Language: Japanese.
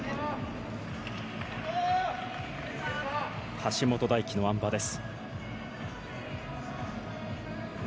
橋本大輝のあん馬です。